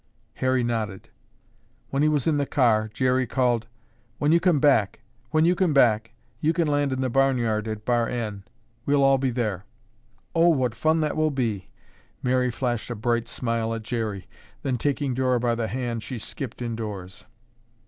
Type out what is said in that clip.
Harry nodded. When he was in the car, Jerry called: "When you come back, you can land in the barnyard at Bar N. We'll all be there." "Oh, what fun that will be!" Mary flashed a bright smile at Jerry; then taking Dora by the hand, she skipped indoors.